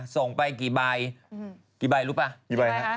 ส่งไปกี่ใบกี่ใบรู้มั้ย